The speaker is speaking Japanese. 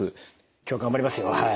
今日頑張りますよはい。